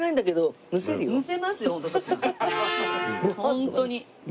ホントに。